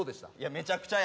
めちゃくちゃや。